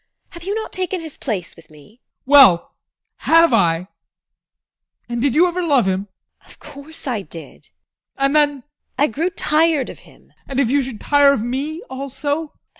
Have you not taken his place with me? ADOLPH. Well, have I? And did you ever love him? TEKLA. Of course, I did! ADOLPH. And then TEKLA. I grew tired of him! ADOLPH. And if you should tire of me also?